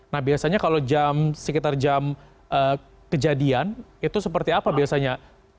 nah biasanya kalau sekitar jam kejadian itu seperti apa biasanya